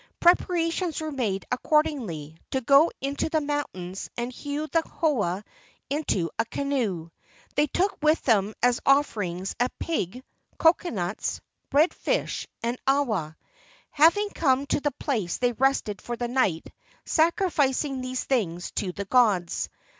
Preparations were made accordingly to go into the mountains and hew the koa into a canoe. They took with them as offerings a pig, coconuts, red fish, and awa. Having come to the place they rested for the night, sacrificing these things to the gods.